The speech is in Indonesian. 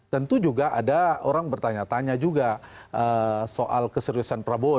tentu juga ada orang bertanya tanya juga soal keseriusan prabowo